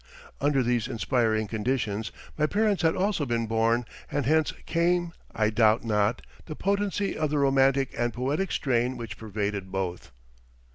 Under these inspiring conditions my parents had also been born, and hence came, I doubt not, the potency of the romantic and poetic strain which pervaded both.